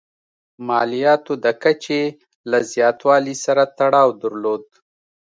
مالیاتو د کچې له زیاتوالي سره تړاو درلود.